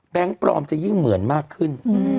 ปลอมจะยิ่งเหมือนมากขึ้น